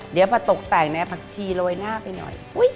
เดี๋ยวพะตกแต่งเนี้ยผักชีโรยหน้าไปหน่อยอุ๊ย